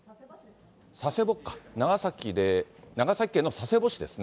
佐世保か、長崎県の佐世保市ですね。